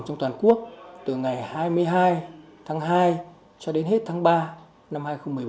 trong toàn quốc từ ngày hai mươi hai tháng hai cho đến hết tháng ba năm hai nghìn một mươi bốn